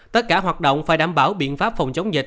tất cả hoạt động phải đảm bảo biện pháp phòng chống dịch